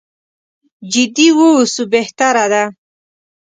جدي واوسو بهتره ده.